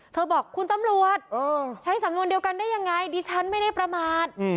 บอกคุณตำรวจใช้สำนวนเดียวกันได้ยังไงดิฉันไม่ได้ประมาท